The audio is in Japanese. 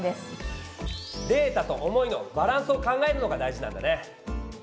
「データ」と「思い」のバランスを考えるのが大事なんだね！